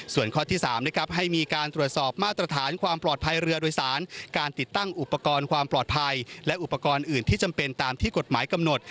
ส่วนข้อที่๓นะครับให้มีการตรวจสอบมาตรฐานความปลอดภัยเรือโดยสารการติดตั้งอุปกรณ์ความปลอดภัยและอุปกรณ์อื่นที่จำเป็นตามที่กฎหมายกำหนด